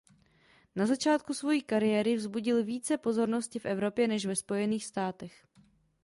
Na začátku svojí kariéry vzbudil více pozornosti v Evropě než ve Spojených státech.